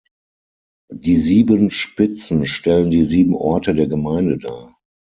Die sieben Spitzen stellen die sieben Orte der Gemeinde dar.